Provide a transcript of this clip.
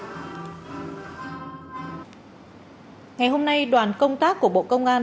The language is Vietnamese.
ngày hôm nay đoàn công tác của bộ công an